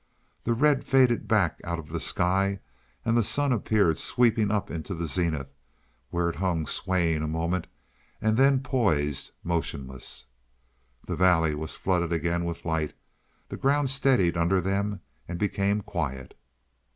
The red faded back out of the sky, and the sun appeared sweeping up into the zenith, where it hung swaying a moment and then poised motionless. The valley was flooded again with light; the ground steadied under them and became quiet.